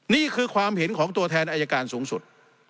นี่คือความเห็นของตัวแทนอายการสูงสุด